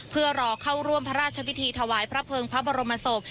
เพื่อรอเข้าร่วมพระราชพิธีถวายพระเภิงพระบรมศพ